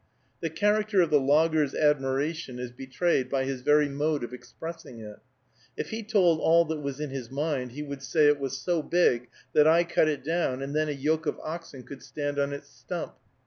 The character of the logger's admiration is betrayed by his very mode of expressing it. If he told all that was in his mind, he would say, it was so big that I cut it down and then a yoke of oxen could stand on its stump.